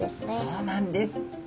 そうなんです。